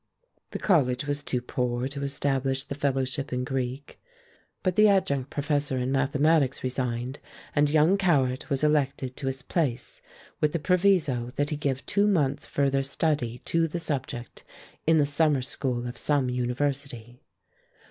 The college was too poor to establish the fellowship in Greek, but the adjunct professor in mathematics resigned, and young Cowart was elected to his place, with the proviso that he give two months further study to the subject in the summer school of some university.